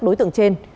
các đối tượng trên